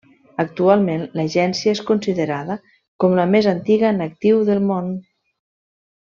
Actualment, l'agència és considerada com la més antiga en actiu del món.